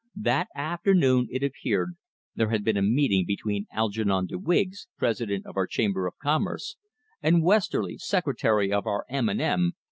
That afternoon, it appeared, there had been a meeting between Algernon de Wiggs, president of our Chamber of Commerce, and Westerly, secretary of our "M. and M.